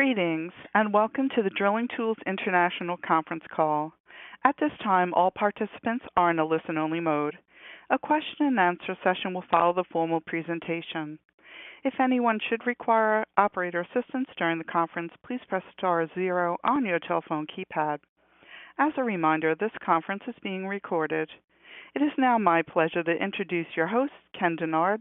Greetings, and welcome to the Drilling Tools International Conference Call. At this time, all participants are in a listen-only mode. A question-and-answer session will follow the formal presentation. If anyone should require operator assistance during the conference, please press star zero on your telephone keypad. As a reminder, this conference is being recorded. It is now my pleasure to introduce your host, Ken Dennard.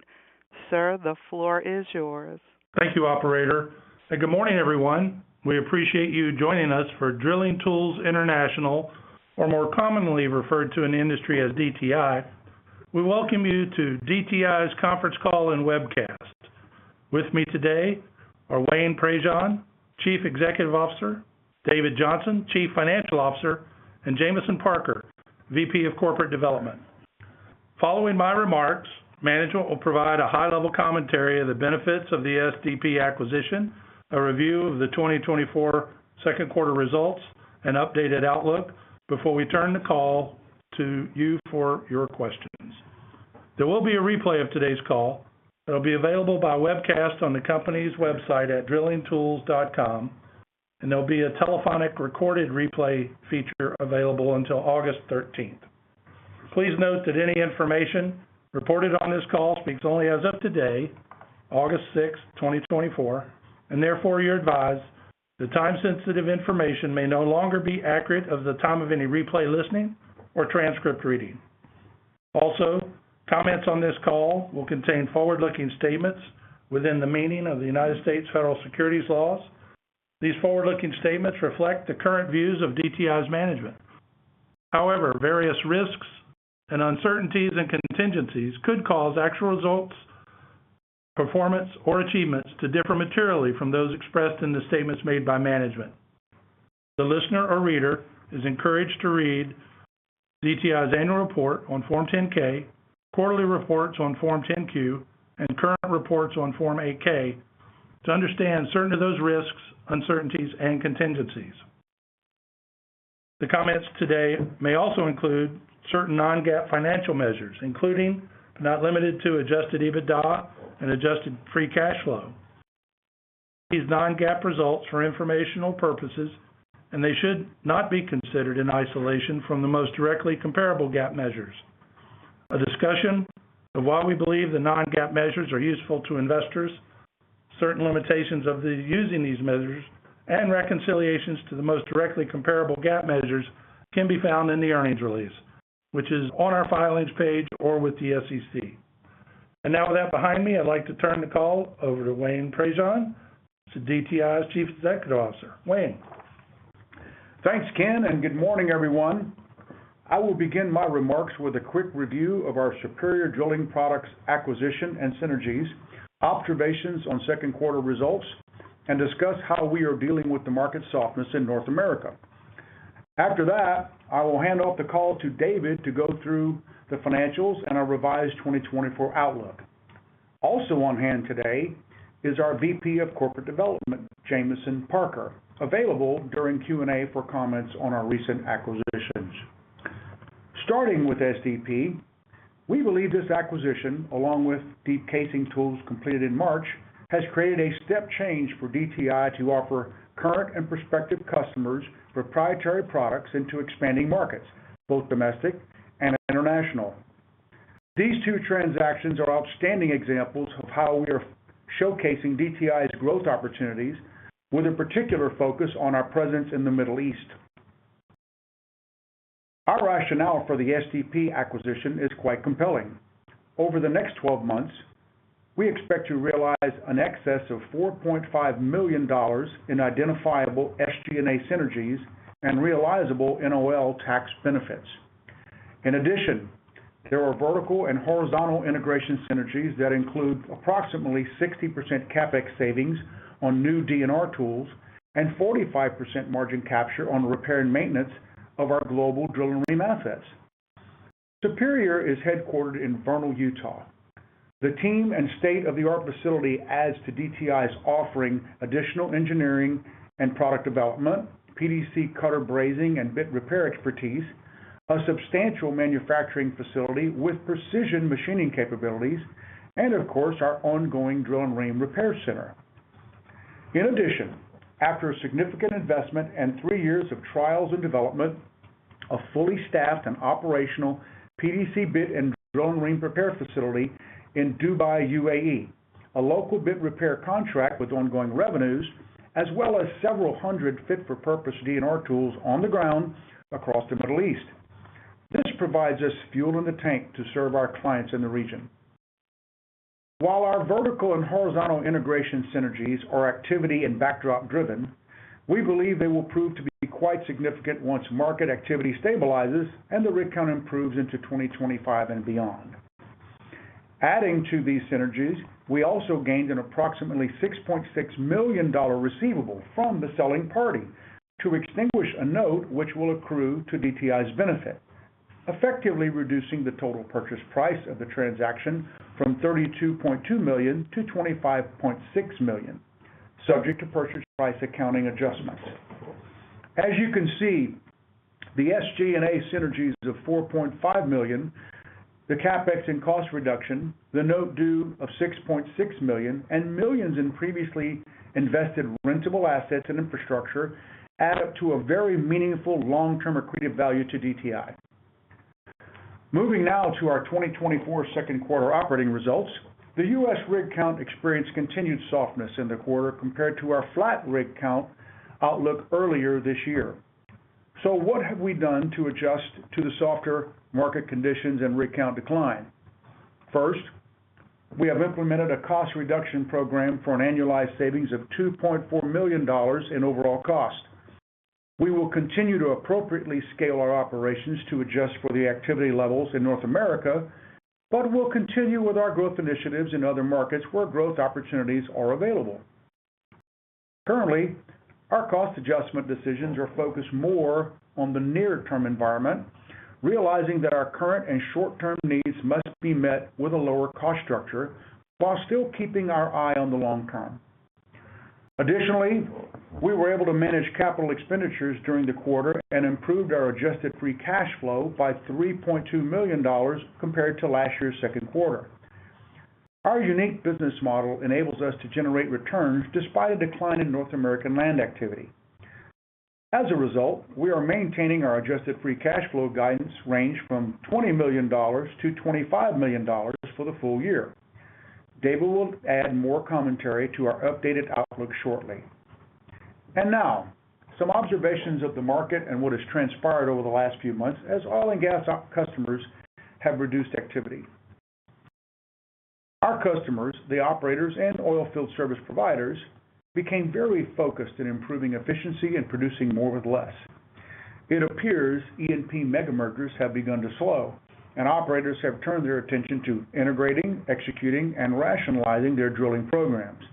Sir, the floor is yours. Thank you, operator, and good morning, everyone. We appreciate you joining us for Drilling Tools International, or more commonly referred to in the industry as DTI. We welcome you to DTI's conference call and webcast. With me today are Wayne Prejean, Chief Executive Officer, David Johnson, Chief Financial Officer, and Jamison Parker, VP of Corporate Development. Following my remarks, management will provide a high-level commentary of the benefits of the SDP acquisition, a review of the 2024 Q2 results, and updated outlook before we turn the call to you for your questions. There will be a replay of today's call that'll be available by webcast on the company's website at drillingtools.com, and there'll be a telephonic recorded replay feature available until August thirteenth. Please note that any information reported on this call speaks only as of today, 6 August 2024, and therefore you're advised the time-sensitive information may no longer be accurate of the time of any replay listening or transcript reading. Also, comments on this call will contain forward-looking statements within the meaning of the United States federal securities laws. These forward-looking statements reflect the current views of DTI's management. However, various risks and uncertainties, and contingencies could cause actual results, performance, or achievements to differ materially from those expressed in the statements made by management. The listener or reader is encouraged to read DTI's annual report on Form 10-K, quarterly reports on Form 10-Q, and current reports on Form 8-K to understand certain of those risks, uncertainties, and contingencies. The comments today may also include certain non-GAAP financial measures, including, but not limited to, Adjusted EBITDA and adjusted free cash flow. These non-GAAP results are for informational purposes, and they should not be considered in isolation from the most directly comparable GAAP measures. A discussion of why we believe the non-GAAP measures are useful to investors, certain limitations of using these measures and reconciliations to the most directly comparable GAAP measures can be found in the earnings release, which is on our filings page or with the SEC. And now, with that behind me, I'd like to turn the call over to Wayne Prejean, DTI's Chief Executive Officer. Wayne? Thanks, Ken, and good morning, everyone. I will begin my remarks with a quick review of our Superior Drilling Products acquisition and synergies, observations on Q2 results, and discuss how we are dealing with the market softness in North America. After that, I will hand off the call to David to go through the financials and our revised 2024 outlook. Also on hand today is our VP of Corporate Development, Jamison Parker, available during Q&A for comments on our recent acquisitions. Starting with SDP, we believe this acquisition, along with Deep Casing Tools completed in March, has created a step change for DTI to offer current and prospective customers proprietary products into expanding markets, both domestic and international. These two transactions are outstanding examples of how we are showcasing DTI's growth opportunities with a particular focus on our presence in the Middle East. Our rationale for the SDP acquisition is quite compelling. Over the next 12 months, we expect to realize an excess of $4.5 million in identifiable SG&A synergies and realizable NOL tax benefits. In addition, there are vertical and horizontal integration synergies that include approximately 60% CapEx savings on new D&R tools and 45% margin capture on repair and maintenance of our global drill and rem assets. Superior is headquartered in Vernal, Utah. The team and state-of-the-art facility adds to DTI's offering additional engineering and product development, PDC cutter brazing and bit repair expertise, a substantial manufacturing facility with precision machining capabilities, and of course, our ongoing drill and rem repair center. In addition, after a significant investment and three years of trials and development, a fully staffed and operational PDC bit and Drill-N-Ream repair facility in Dubai, UAE, a local bit repair contract with ongoing revenues, as well as several hundred fit-for-purpose D&R tools on the ground across the Middle East. This provides us fuel in the tank to serve our clients in the region. While our vertical and horizontal integration synergies are activity and backdrop driven, we believe they will prove to be quite significant once market activity stabilizes and the rig count improves into 2025 and beyond. Adding to these synergies, we also gained an approximately $6.6 million receivable from the selling party to extinguish a note which will accrue to DTI's benefit, effectively reducing the total purchase price of the transaction from $32.2 million to $25.6 million, subject to purchase price accounting adjustments. As you can see, the SG&A synergies of $4.5 million, the CapEx and cost reduction, the note due of $6.6 million, and millions in previously invested rentable assets and infrastructure, add up to a very meaningful long-term accretive value to DTI. Moving now to our 2024 Q2 operating results. The U.S. rig count experienced continued softness in the quarter compared to our flat rig count outlook earlier this year. So what have we done to adjust to the softer market conditions and rig count decline? First, we have implemented a cost reduction program for an annualized savings of $2.4 million in overall cost. We will continue to appropriately scale our operations to adjust for the activity levels in North America, but we'll continue with our growth initiatives in other markets where growth opportunities are available. Currently, our cost adjustment decisions are focused more on the near-term environment, realizing that our current and short-term needs must be met with a lower cost structure, while still keeping our eye on the long term. Additionally, we were able to manage capital expenditures during the quarter and improved our adjusted free cash flow by $3.2 million compared to last year's Q2. Our unique business model enables us to generate returns despite a decline in North American land activity. As a result, we are maintaining our adjusted free cash flow guidance range from $20 to 25 million for the full year. David will add more commentary to our updated outlook shortly. Now, some observations of the market and what has transpired over the last few months as oil and gas customers have reduced activity. Our customers, the operators and oilfield service providers, became very focused in improving efficiency and producing more with less. It appears E&P mega mergers have begun to slow, and operators have turned their attention to integrating, executing, and rationalizing their drilling programs.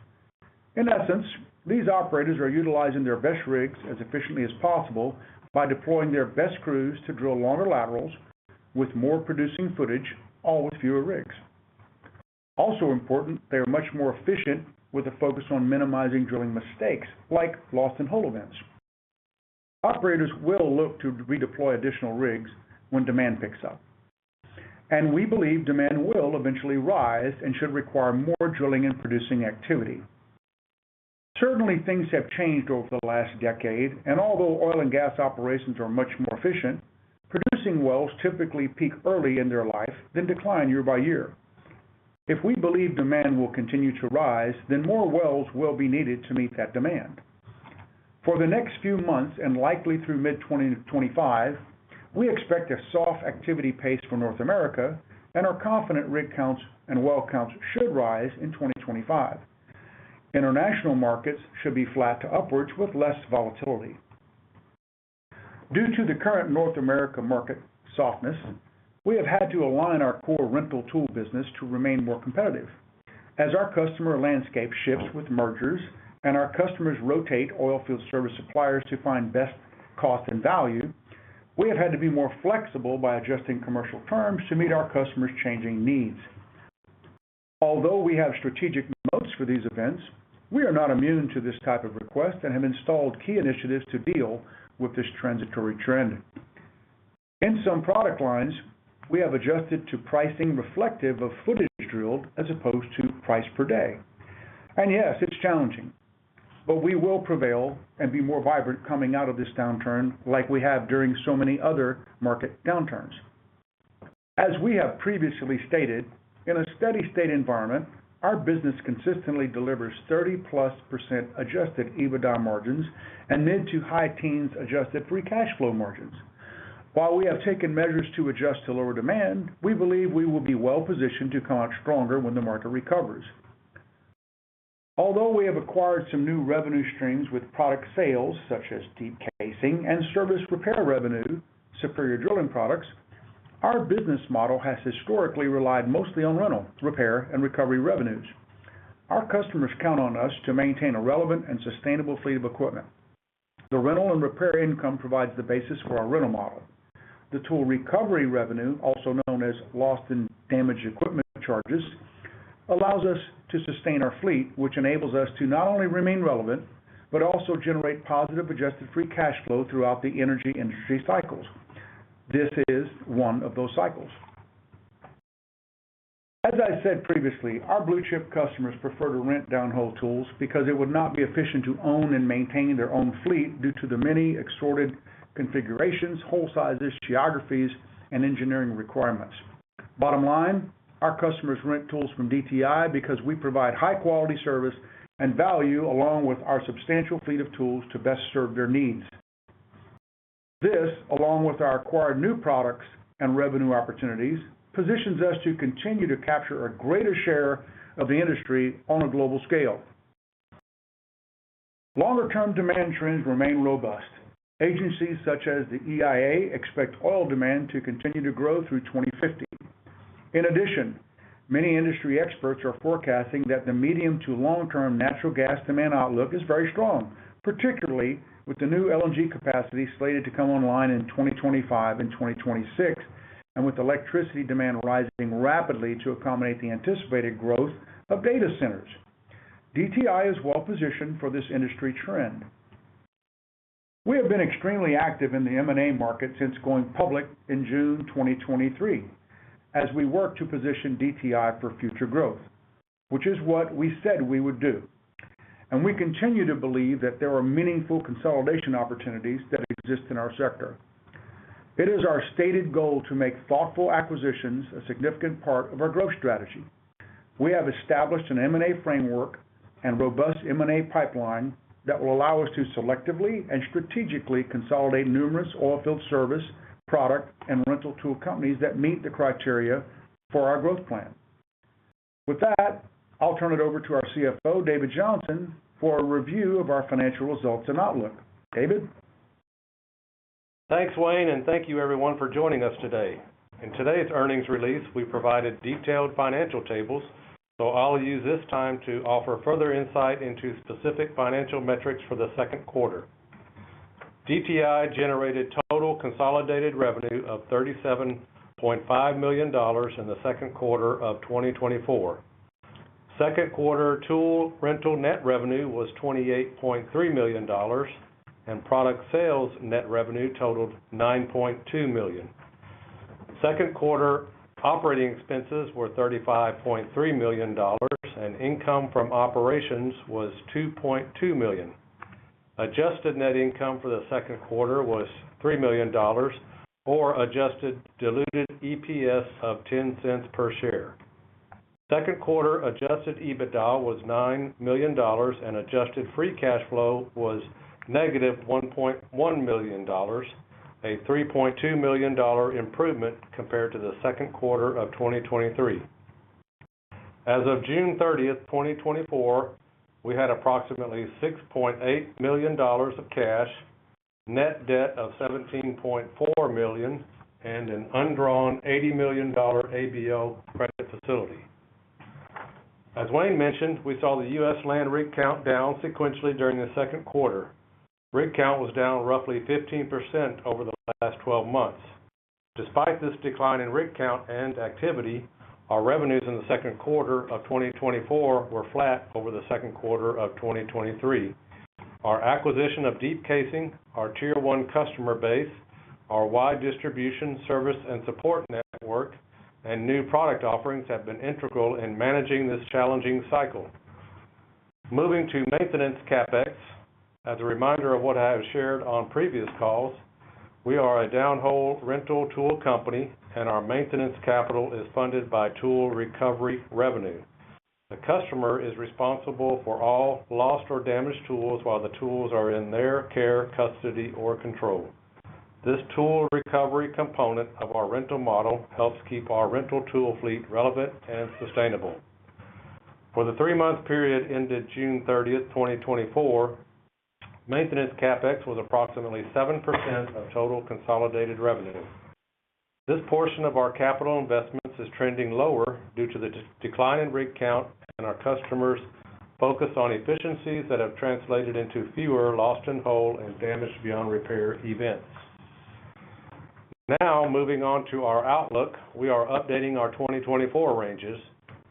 In essence, these operators are utilizing their best rigs as efficiently as possible by deploying their best crews to drill longer laterals with more producing footage, all with fewer rigs. Also important, they are much more efficient with a focus on minimizing drilling mistakes, like lost-in-hole events. Operators will look to redeploy additional rigs when demand picks up, and we believe demand will eventually rise and should require more drilling and producing activity. Certainly, things have changed over the last decade, and although oil and gas operations are much more efficient, producing wells typically peak early in their life, then decline year by year. If we believe demand will continue to rise, then more wells will be needed to meet that demand. For the next few months, and likely through mid-2025, we expect a soft activity pace for North America, and are confident rig counts and well counts should rise in 2025. International markets should be flat to upwards with less volatility. Due to the current North America market softness, we have had to align our core rental tool business to remain more competitive. As our customer landscape shifts with mergers and our customers rotate oilfield service suppliers to find best cost and value, we have had to be more flexible by adjusting commercial terms to meet our customers' changing needs. Although we have strategic modes for these events, we are not immune to this type of request and have installed key initiatives to deal with this transitory trend. In some product lines, we have adjusted to pricing reflective of footage drilled as opposed to price per day. It's challenging, but we will prevail and be more vibrant coming out of this downturn like we have during so many other market downturns. As we have previously stated, in a steady state environment, our business consistently delivers 30%+ Adjusted EBITDA margins and mid- to high-teens Adjusted free cash flow margins. While we have taken measures to adjust to lower demand, we believe we will be well positioned to come out stronger when the market recovers. Although we have acquired some new revenue streams with product sales, such as Deep Casing and service repair revenue, Superior Drilling Products, our business model has historically relied mostly on rental, repair, and recovery revenues. Our customers count on us to maintain a relevant and sustainable fleet of equipment. The rental and repair income provides the basis for our rental model. The tool recovery revenue, also known as lost and damaged equipment charges, allows us to sustain our fleet, which enables us to not only remain relevant, but also generate positive adjusted free cash flow throughout the energy industry cycles. This is one of those cycles. As I said previously, our blue-chip customers prefer to rent downhole tools because it would not be efficient to own and maintain their own fleet due to the many assorted configurations, hole sizes, geographies, and engineering requirements. Bottom line, our customers rent tools from DTI because we provide high-quality service and value, along with our substantial fleet of tools, to best serve their needs. This, along with our acquired new products and revenue opportunities, positions us to continue to capture a greater share of the industry on a global scale. Longer-term demand trends remain robust. Agencies such as the EIA expect oil demand to continue to grow through 2050. In addition, many industry experts are forecasting that the medium to long-term natural gas demand outlook is very strong, particularly with the new LNG capacity slated to come online in 2025 and 2026, and with electricity demand rising rapidly to accommodate the anticipated growth of data centers. DTI is well positioned for this industry trend. We have been extremely active in the M&A market since going public in June 2023, as we work to position DTI for future growth, which is what we said we would do, and we continue to believe that there are meaningful consolidation opportunities that exist in our sector. It is our stated goal to make thoughtful acquisitions a significant part of our growth strategy. We have established an M&A framework and robust M&A pipeline that will allow us to selectively and strategically consolidate numerous oilfield service, product, and rental tool companies that meet the criteria for our growth plan. With that, I'll turn it over to our CFO, David Johnson, for a review of our financial results and outlook. David? Thanks, Wayne, and thank you everyone for joining us today. In today's earnings release, we provided detailed financial tables, so I'll use this time to offer further insight into specific financial metrics for the Q2. DTI generated total consolidated revenue of $37.5 million in the Q2 of 2024. Q2 tool rental net revenue was $28.3 million, and product sales net revenue totaled $9.2 million. Q2 operating expenses were $35.3 million, and income from operations was $2.2 million. Adjusted net income for the Q2 was $3 million, or adjusted diluted EPS of $0.10 per share. Q2 adjusted EBITDA was $9 million, and adjusted free cash flow was negative $1.1 million, a $3.2 million improvement compared to the Q2 of 2023. As of 30 June 2024, we had approximately $6.8 million of cash, net debt of $17.4 million, and an undrawn $80 million ABL credit facility. As Wayne mentioned, we saw the U.S. land rig count down sequentially during the Q2. Rig count was down roughly 15% over the last 12 months. Despite this decline in rig count and activity, our revenues in the Q2 of 2024 were flat over the Q2 of 2023. Our acquisition of Deep Casing Tools, our Tier One customer base, our wide distribution service and support network, and new product offerings have been integral in managing this challenging cycle. Moving to maintenance CapEx, as a reminder of what I have shared on previous calls, we are a downhole rental tool company, and our maintenance capital is funded by tool recovery revenue. The customer is responsible for all lost or damaged tools while the tools are in their care, custody, or control. This tool recovery component of our rental model helps keep our rental tool fleet relevant and sustainable. For the three-month period ended 20 June 2024, maintenance CapEx was approximately 7% of total consolidated revenue. This portion of our capital investments is trending lower due to the decline in rig count and our customers' focus on efficiencies that have translated into fewer lost and wholly damaged beyond repair events. Now, moving on to our outlook, we are updating our 2024 ranges,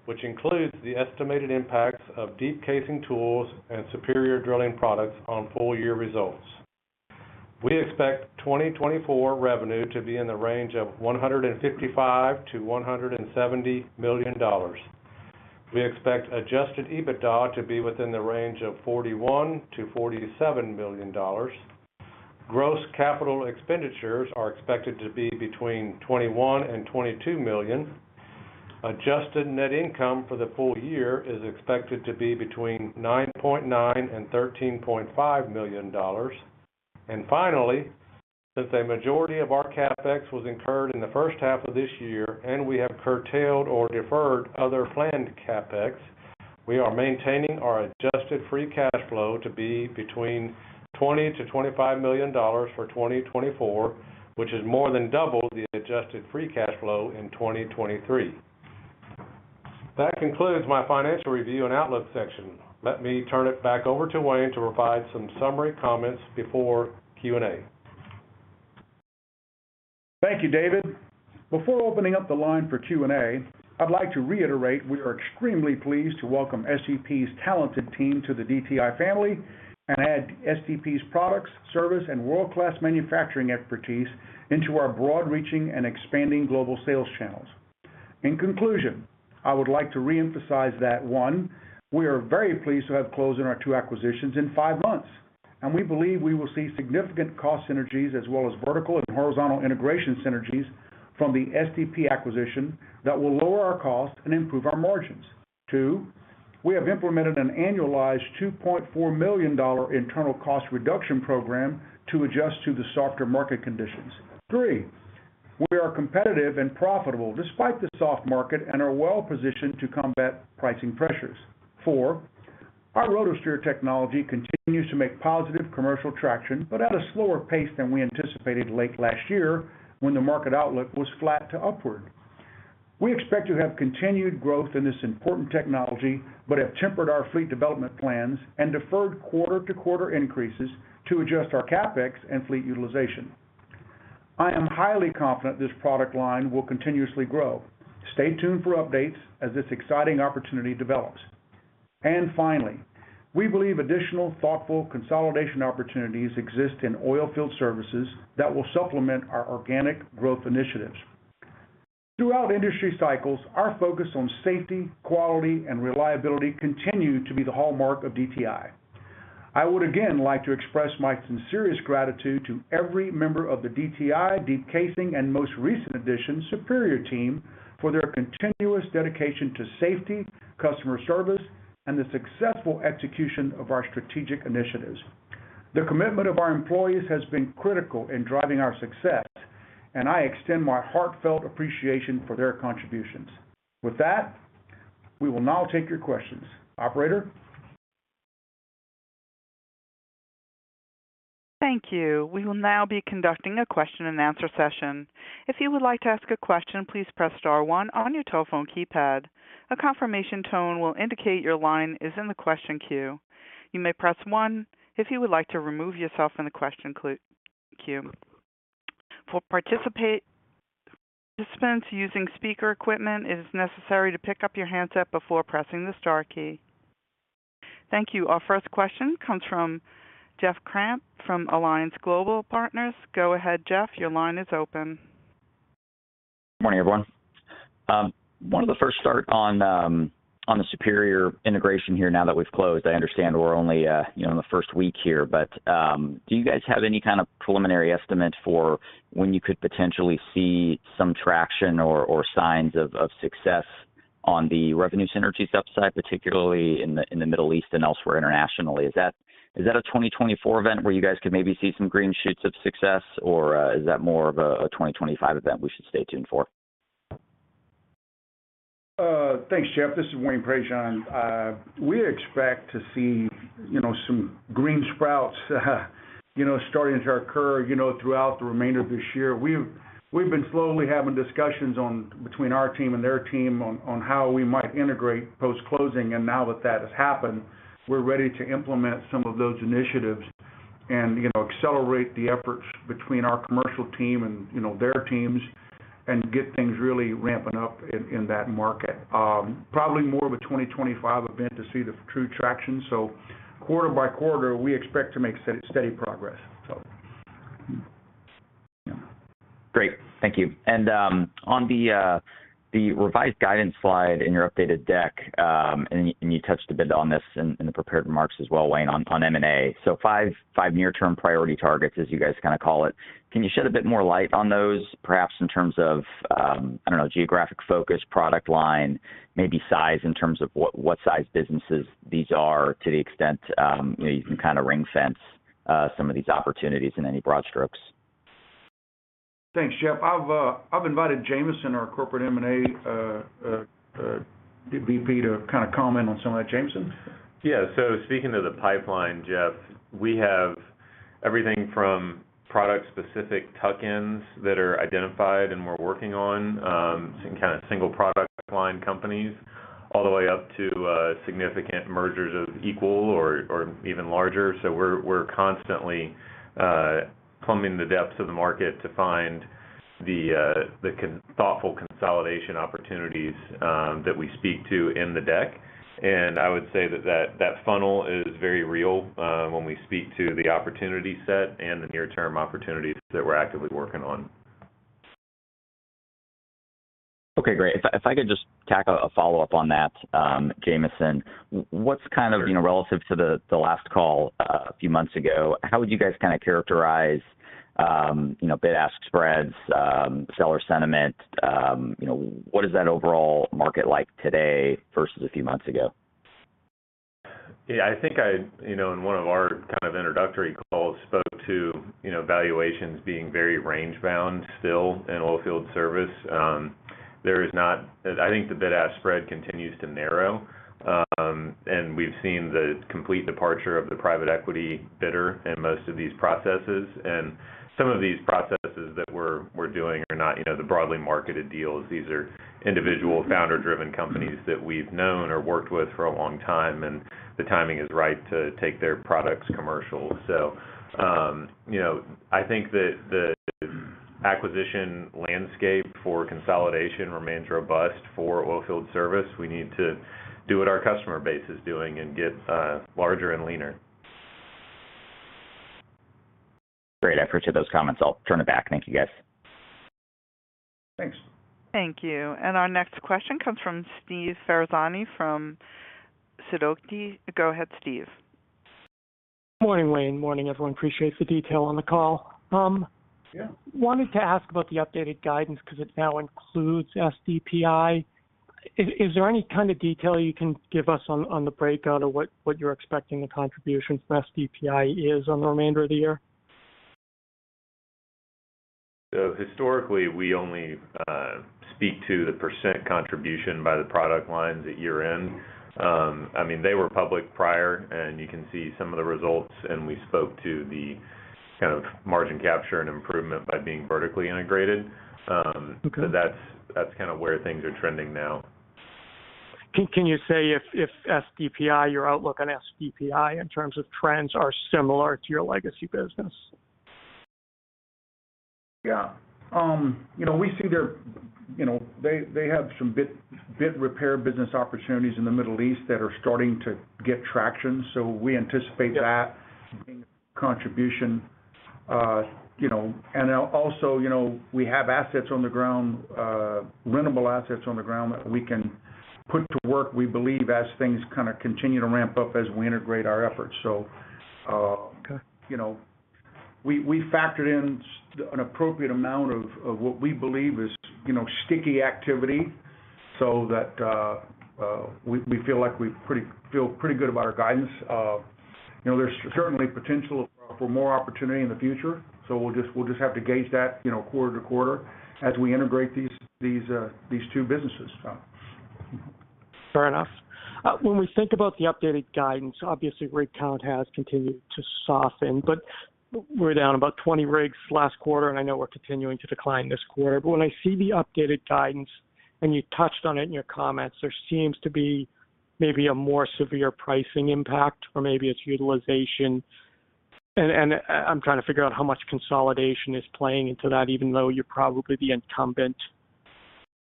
which includes the estimated impacts of Deep Casing Tools and Superior Drilling Products on full year results. We expect 2024 revenue to be in the range of $155 million-$170 million. We expect Adjusted EBITDA to be within the range of $41 to 47 million. Gross capital expenditures are expected to be between $21 million and $22 million. Adjusted net income for the full year is expected to be between $9.9 million and $13.5 million. Finally, since a majority of our CapEx was incurred in the first half of this year, and we have curtailed or deferred other planned CapEx, we are maintaining our Adjusted free cash flow to be between $20 to 25 million for 2024, which is more than double the Adjusted free cash flow in 2023. That concludes my financial review and outlook section. Let me turn it back over to Wayne to provide some summary comments before Q&A. Thank you, David. Before opening up the line for Q&A, I'd like to reiterate, we are extremely pleased to welcome SDP's talented team to the DTI family and add SDP's products, service, and world-class manufacturing expertise into our broad reaching and expanding global sales channels. In conclusion, I would like to reemphasize that, one, we are very pleased to have closed on our two acquisitions in five months, and we believe we will see significant cost synergies as well as vertical and horizontal integration synergies from the SDP acquisition that will lower our cost and improve our margins. Two, we have implemented an annualized $2.4 million internal cost reduction program to adjust to the softer market conditions. Three, we are competitive and profitable despite the soft market and are well positioned to combat pricing pressures. Four, our RotoSteer technology continues to make positive commercial traction, but at a slower pace than we anticipated late last year when the market outlook was flat to upward. We expect to have continued growth in this important technology, but have tempered our fleet development plans and deferred quarter-to-quarter increases to adjust our CapEx and fleet utilization. I am highly confident this product line will continuously grow. Stay tuned for updates as this exciting opportunity develops. Finally, we believe additional thoughtful consolidation opportunities exist in oil field services that will supplement our organic growth initiatives. Throughout industry cycles, our focus on safety, quality, and reliability continue to be the hallmark of DTI. I would again like to express my sincerest gratitude to every member of the DTI, Deep Casing Tools, and most recent addition, Superior team, for their continuous dedication to safety, customer service, and the successful execution of our strategic initiatives. The commitment of our employees has been critical in driving our success, and I extend my heartfelt appreciation for their contributions. With that, we will now take your questions. Operator? Thank you. We will now be conducting a question-and-answer session. If you would like to ask a question, please press star one on your telephone keypad. A confirmation tone will indicate your line is in the question queue. You may press one if you would like to remove yourself from the question queue. For participants using speaker equipment, it is necessary to pick up your handset before pressing the star key. Thank you. Our first question comes from Jeff Grampp from Alliance Global Partners. Go ahead, Jeff, your line is open. Good morning, everyone. Wanted to first start on, on the Superior integration here now that we've closed. I understand we're only, you know, in the first week here, but, do you guys have any kind of preliminary estimate for when you could potentially see some traction or, or signs of, of success on the revenue synergy sub side, particularly in the, in the Middle East and elsewhere internationally? Is that, is that a 2024 event where you guys could maybe see some green shoots of success, or, is that more of a, a 2025 event we should stay tuned for? Thanks, Jeff. This is Wayne Prejean. We expect to see, you know, some green sprouts, you know, starting to occur, you know, throughout the remainder of this year. We've, we've been slowly having discussions on between our team and their team on, on how we might integrate post-closing, and now that that has happened. We're ready to implement some of those initiatives and, you know, accelerate the efforts between our commercial team and, you know, their teams and get things really ramping up in, in that market. Probably more of a 2025 event to see the true traction. Quarter by quarter, we expect to make steady, steady progress, so. Great. Thank you. On the revised guidance slide in your updated deck, and you touched a bit on this in the prepared remarks as well, Wayne, on M&A. five near-term priority targets, as you guys kind of call it. Can you shed a bit more light on those, perhaps in terms of, I don't know, geographic focus, product line, maybe size in terms of what size businesses these are, to the extent, you know, you can kind of ring fence some of these opportunities in any broad strokes? Thanks, Jeff. I've invited Jamison, our corporate M&A VP, to kind of comment on some of that. Jamison? Yeah. Speaking to the pipeline, Jeff, we have everything from product-specific tuck-ins that are identified and we're working on some kind of single product line companies, all the way up to significant mergers of equal or even larger. We're constantly plumbing the depths of the market to find the thoughtful consolidation opportunities that we speak to in the deck. I would say that funnel is very real when we speak to the opportunity set and the near-term opportunities that we're actively working on. Okay, great. If I, if I could just tack a follow-up on that, Jamison. What's kind of, you know, relative to the last call a few months ago, how would you guys kind of characterize, you know, bid-ask spreads, seller sentiment? You know, what is that overall market like today versus a few months ago? I think I, you know, in one of our kind of introductory calls, spoke to, you know, valuations being very range-bound still in oil field service. There is not, I think the bid-ask spread continues to narrow, and we've seen the complete departure of the private equity bidder in most of these processes. Some of these processes that we're doing are not, you know, the broadly marketed deals. These are individual, founder-driven companies that we've known or worked with for a long time, and the timing is right to take their products commercial. You know, I think that the acquisition landscape for consolidation remains robust for oil field service. We need to do what our customer base is doing and get larger and leaner. Great. I appreciate those comments. I'll turn it back. Thank you, guys. Thanks. Thank you. Our next question comes from Steve Ferazani from Susquehanna. Go ahead, Steve. Morning, Wayne. Morning, everyone. Appreciate the detail on the call. Wanted to ask about the updated guidance because it now includes SDPI. Is there any kind of detail you can give us on the breakout or what you're expecting the contributions for SDPI is on the remainder of the year? Historically, we only speak to the percent contribution by the product lines at year-end. They were public prior, and you can see some of the results, and we spoke to the kind of margin capture and improvement by being vertically integrated. That's, that's kind of where things are trending now. Can you say if SDPI, your outlook on SDPI in terms of trends, are similar to your legacy business? You know, we see their, you know, they have some bit repair business opportunities in the Middle East that are starting to get traction, so we anticipate that. Contribution. You know, and also, you know, we have assets on the ground, rentable assets on the ground that we can put to work, we believe, as things kind of continue to ramp up as we integrate our efforts. Okay You know, we, we factored in an appropriate amount of, of what we believe is, you know, sticky activity, so that, we, we feel like we feel pretty good about our guidance. You know, there's certainly potential for more opportunity in the future, so we'll just, we'll just have to gauge that, you know, quarter to quarter as we integrate these, these, these two businesses, so. Fair enough. When we think about the updated guidance, obviously, rig count has continued to soften, but we're down about 20 rigs last quarter, and I know we're continuing to decline this quarter. But when I see the updated guidance, and you touched on it in your comments, there seems to be maybe a more severe pricing impact or maybe it's utilization. I'm trying to figure out how much consolidation is playing into that, even though you're probably the incumbent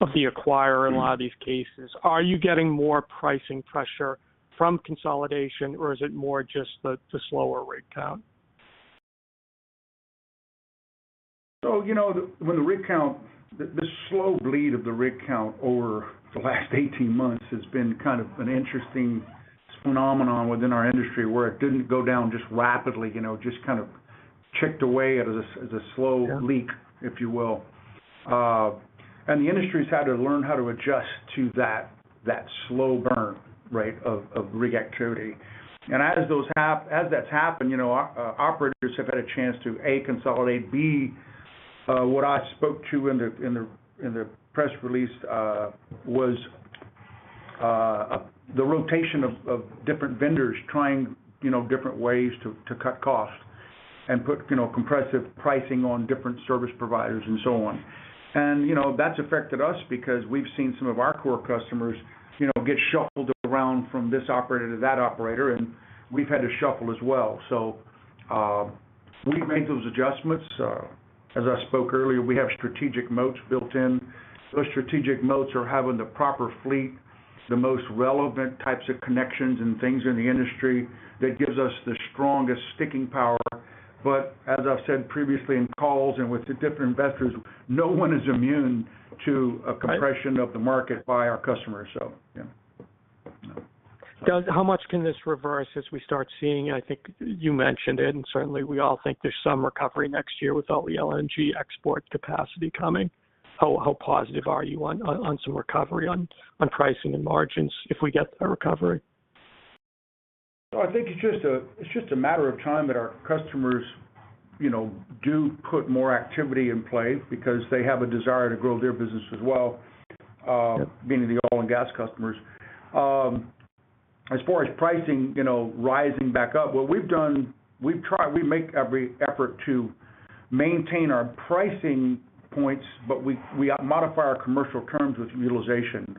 of the acquirer in a lot of these cases. Are you getting more pricing pressure from consolidation, or is it more just the slower rig count? You know, when the rig count, the slow bleed of the rig count over the last 18 months has been kind of an interesting phenomenon within our industry, where it didn't go down just rapidly, you know, just kind of chipped away at as a slow, leak, if you will. The industry's had to learn how to adjust to that slow burn, right, of rig activity. As that's happened, you know, operators have had a chance to, A, consolidate, B, what I spoke to in the press release was the rotation of different vendors trying, you know, different ways to cut costs and put, you know, compressive pricing on different service providers and so on. You know, that's affected us because we've seen some of our core customers, you know, get shuffled around from this operator to that operator, and we've had to shuffle as well. We make those adjustments. As I spoke earlier, we have strategic moats built in. Those strategic moats are having the proper fleet, the most relevant types of connections and things in the industry that gives us the strongest sticking power. But as I've said previously in calls and with the different investors, no one is immune to compression of the market by our customers, so, yeah. How much can this reverse as we start seeing... I think you mentioned it, and certainly, we all think there's some recovery next year with all the LNG export capacity coming. How positive are you on some recovery on pricing and margins, if we get a recovery? Well, I think it's just a, it's just a matter of time that our customers, you know, do put more activity in play because they have a desire to grow their business as well being the oil and gas customers. As far as pricing, you know, rising back up, what we've done, we've tried. We make every effort to maintain our pricing points, but we modify our commercial terms with utilization.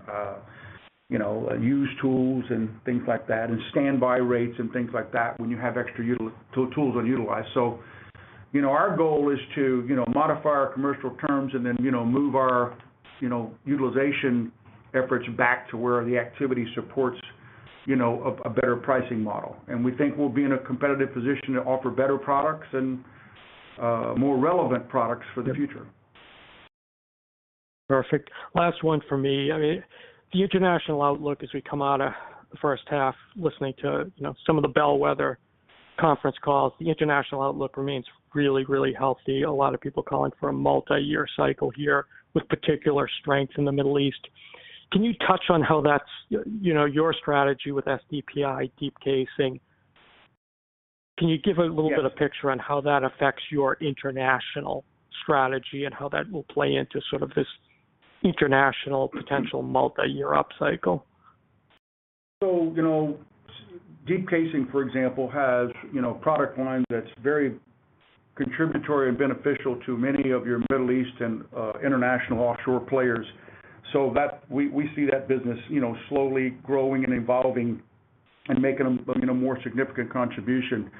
You know, use tools and things like that, and standby rates and things like that when you have extra tools unutilized. You know, our goal is to modify our commercial terms and then move our utilization efforts back to where the activity supports a better pricing model. We think we'll be in a competitive position to offer better products and more relevant products for the future. Perfect. Last one for me. I mean, the international outlook as we come out of the first half, listening to, you know, some of the bellwether conference calls, the international outlook remains really, really healthy. A lot of people calling for a multi-year cycle here, with particular strengths in the Middle East. Can you touch on how that's, you know, your strategy with SDPI, Deep Casing? Can you give a little bit of a picture on how that affects your international strategy, and how that will play into sort of this international potential multi-year upcycle? You know, Deep Casing, for example, has, you know, product line that's very contributory and beneficial to many of your Middle East and international offshore players. We see that business, you know, slowly growing and evolving and making a, you know, more significant contribution.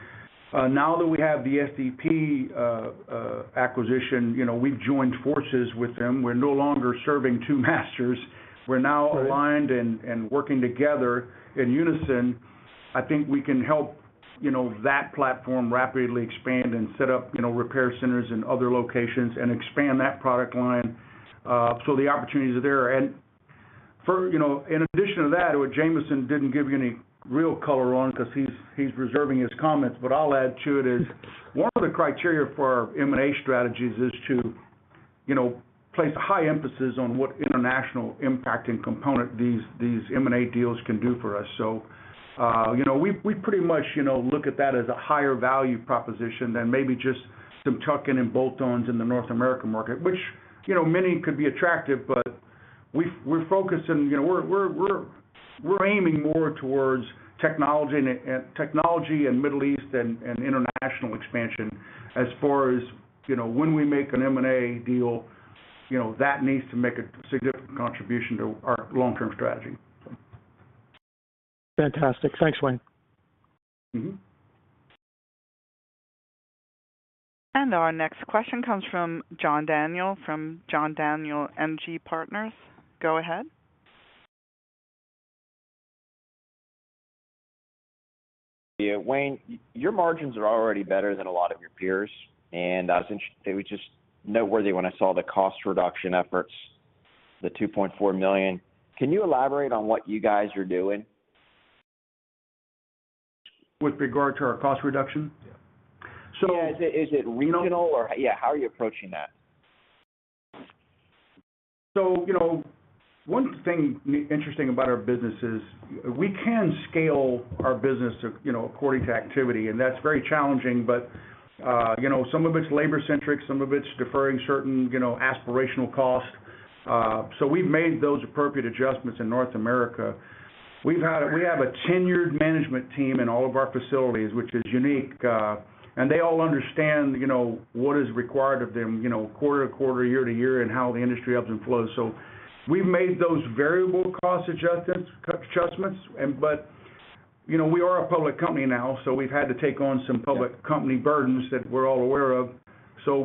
Now that we have the SDP acquisition, you know, we've joined forces with them. We're no longer serving two masters. We're now aligned and, and working together in unison. I think we can help, you know, that platform rapidly expand and set up, you know, repair centers in other locations and expand that product line. The opportunities are there. For, you know, in addition to that, what Jamison didn't give you any real color on, 'cause he's, he's reserving his comments, but I'll add to it, is one of the criteria for our M&A strategies is to, you know, place high emphasis on what international impact and component these, these M&A deals can do for us. You know, we pretty much, you know, look at that as a higher value proposition than maybe just some tuck-in and bolt-ons in the North American market, which, you know, many could be attractive, but we're focused and, you know, we're aiming more towards technology and technology and Middle East and international expansion as far as, you know, when we make an M&A deal, you know, that needs to make a significant contribution to our long-term strategy. Fantastic. Thanks, Wayne. Our next question comes from John Daniel, from Daniel Energy Partners. Go ahead. Wayne, your margins are already better than a lot of your peers, and I was interested, it was just noteworthy when I saw the cost reduction efforts, the $2.4 million. Can you elaborate on what you guys are doing? With regard to our cost reduction? Is it, is it regional or, yeah, how are you approaching that? You know, one thing interesting about our business is we can scale our business to, you know, according to activity, and that's very challenging, but, you know, some of it's labor centric, some of it's deferring certain, you know, aspirational costs. We've made those appropriate adjustments in North America. We have a tenured management team in all of our facilities, which is unique. They all understand, you know, what is required of them, you know, quarter to quarter, year to year, and how the industry ebbs and flows. We've made those variable cost adjustments. You know, we are a public company now, so we've had to take on some publiccompany burdens that we're all aware of.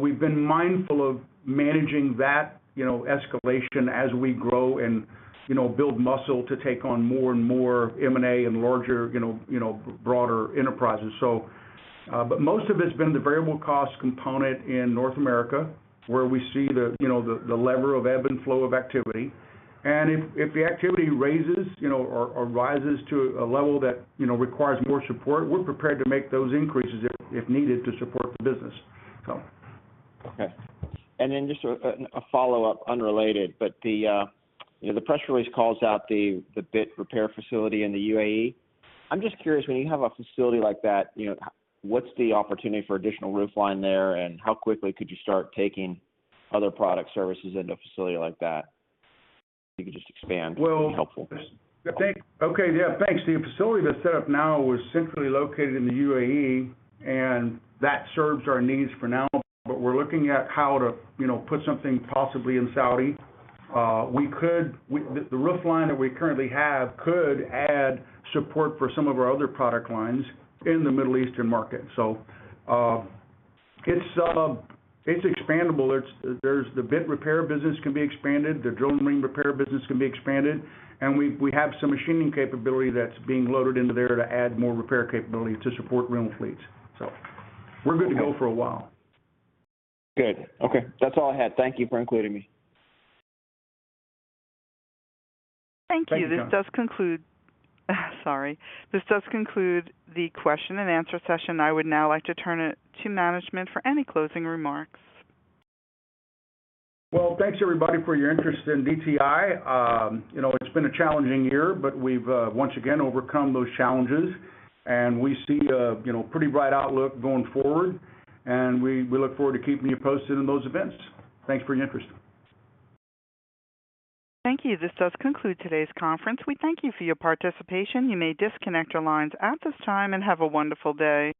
We've been mindful of managing that, you know, escalation as we grow and, you know, build muscle to take on more and more M&A and larger, you know, you know, broader enterprises. Most of it's been the variable cost component in North America, where we see the, you know, the, the lever of ebb and flow of activity. And if, if the activity raises, you know, or, or rises to a level that, you know, requires more support, we're prepared to make those increases if, if needed, to support the business. Okay. Just a follow-up, unrelated, but you know, the press release calls out the bit repair facility in the UAE. I'm just curious, when you have a facility like that, you know, what's the opportunity for additional roof line there, and how quickly could you start taking other product services into a facility like that? If you could just expand- It would be helpful. I think. Okay, yeah, thanks. The facility that's set up now is centrally located in the UAE, and that serves our needs for now, but we're looking at how to, you know, put something possibly in Saudi. We could – the tool line that we currently have could add support for some of our other product lines in the Middle Eastern market. It's expandable. It's, the bit repair business can be expanded, the Drill-N-Ream repair business can be expanded, and we have some machining capability that's being loaded into there to add more repair capability to support rental fleets. We're good to go for a while. Good. Okay, that's all I had. Thank you for including me. Thank you. Thank you. This does conclude. Sorry. This does conclude the question and answer session. I would now like to turn it to management for any closing remarks. Well, thanks, everybody, for your interest in DTI. You know, it's been a challenging year, but we've once again overcome those challenges, and we see a you know, pretty bright outlook going forward, and we, we look forward to keeping you posted on those events. Thanks for your interest. Thank you. This does conclude today's conference. We thank you for your participation. You may disconnect your lines at this time and have a wonderful day.